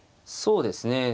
そうですね。